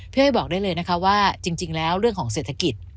อ้อยบอกได้เลยนะคะว่าจริงแล้วเรื่องของเศรษฐกิจ